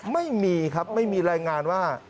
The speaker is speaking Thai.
ไม่มีครับไม่มีรายงานว่า